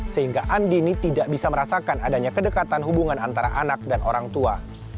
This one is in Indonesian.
sehingga andini tidak bisa merasakan adanya kedekatan hubungan antara anak dan orang tua